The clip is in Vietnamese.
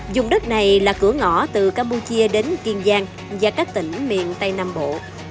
dùng đất này là cửa ngõ từ campuchia đến kiên giang và các tỉnh miền tây nam bộ